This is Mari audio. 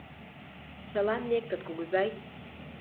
— Чылан лектыт, кугызай!